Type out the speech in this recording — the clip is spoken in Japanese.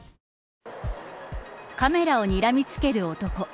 カメラをにらみつける男。